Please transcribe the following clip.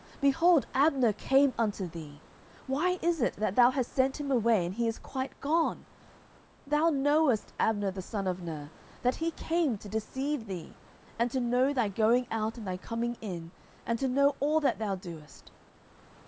behold, Abner came unto thee; why is it that thou hast sent him away, and he is quite gone? 10:003:025 Thou knowest Abner the son of Ner, that he came to deceive thee, and to know thy going out and thy coming in, and to know all that thou doest.